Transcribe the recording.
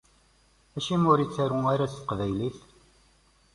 Acimi ur ittaru ara s teqbaylit?